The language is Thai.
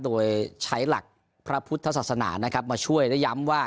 โดยใช้หลักพระพุทธศาสนานะครับมาช่วยและย้ำว่า